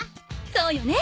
そうよね。